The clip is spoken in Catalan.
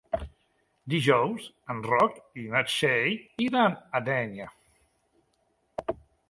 Dijous en Roc i na Txell iran a Dénia.